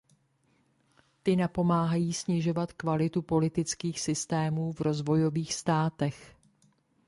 Ty napomáhají snižovat kvalitu politických systémů v rozvojových státech.